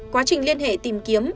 quá trình liên hệ tìm kiếm